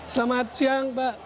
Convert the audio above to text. selamat siang pak